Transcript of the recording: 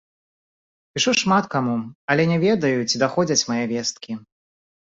Пішу шмат каму, але не ведаю, ці даходзяць мае весткі.